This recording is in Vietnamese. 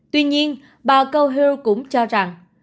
tuy nhiên bà gohil cũng cho rằng